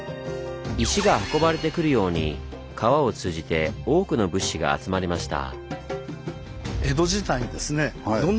石が運ばれてくるように川を通じて多くの物資が集まりました。